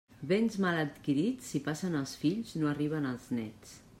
Béns mal adquirits, si passen als fills, no arriben als néts.